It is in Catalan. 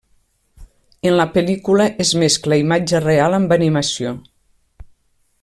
En la pel·lícula es mescla imatge real amb animació.